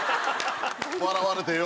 「笑われてよ